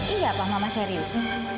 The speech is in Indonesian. iya pak mama serius